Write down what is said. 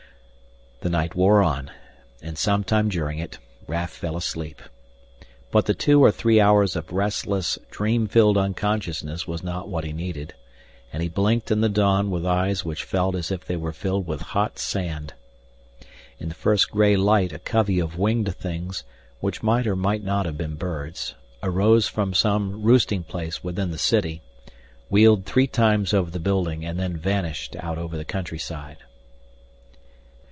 The night wore on and sometime during it Raf fell asleep. But the two or three hours of restless, dream filled unconsciousness was not what he needed, and he blinked in the dawn with eyes which felt as if they were filled with hot sand. In the first gray light a covey of winged things, which might or might not have been birds, arose from some roosting place within the city, wheeled three times over the building, and then vanished out over the countryside.